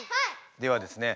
ではですね